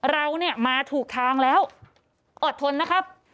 เราเนี่ยมาถูกทางแล้วอดทนนะครับ